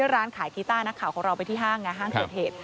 ร้านขายกีตาร์นักข่าวเขารอไปที่ห้างห้างเกิดเหตุ